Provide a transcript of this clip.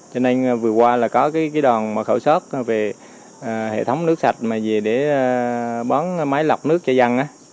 cho nên vừa qua là có cái đòn khẩu sốt về hệ thống nước sạch mà về để bón máy lọc nước cho dân